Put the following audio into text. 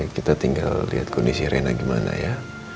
ya oke kita tinggal liat kondisi rina gimana ya